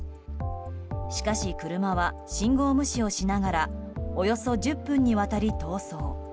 しかし、車は信号無視をしながらおよそ１０分にわたり逃走。